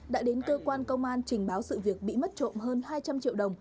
đã đến cơ quan công an trình báo sự việc bị mất trộm hơn hai trăm linh triệu đồng